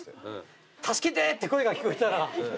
「助けて」って声が聞こえたら。